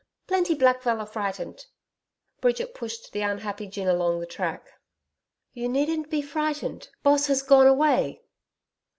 Plenty black feller frightened.' [*Yowi Yes.] Bridget pushed the unhappy gin along the track. 'You needn't be frightened. Boss has gone away.'